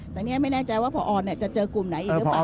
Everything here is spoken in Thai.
แต่นี่ไม่แน่ใจว่าพอจะเจอกลุ่มไหนอีกหรือเปล่า